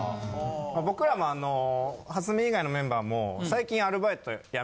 僕らも蓮見以外のメンバーも最近アルバイト辞めれて。